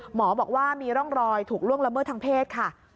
หมอบอกว่ามีร่องรอยถูกล่วงละเมิดทางเพศค่ะ